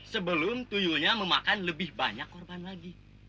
sebelum tuyunya memakan lebih banyak korban lagi